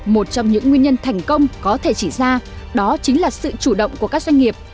một trong những nguyên nhân thành công có thể chỉ ra đó chính là sự chủ động của các doanh nghiệp